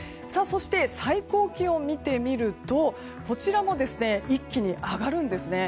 最高気温を見てみるとこちらも一気に上がるんですね。